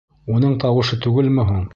Уның тауышы түгелме һуң?